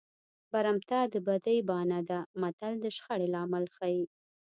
برمته د بدۍ بانه ده متل د شخړې لامل ښيي